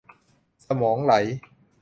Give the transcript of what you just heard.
สมองไหล